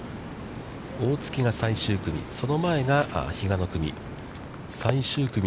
大槻が最終組、その前が比嘉の組。